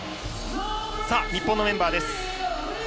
日本のメンバーです。